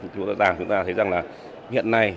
chúng ta thấy rằng là hiện nay